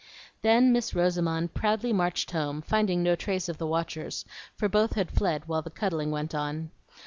Then Miss Rosamond proudly marched home, finding no trace of the watchers, for both had fled while the "cuddling" went on.